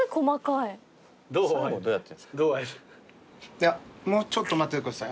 いやもうちょっと待っててください。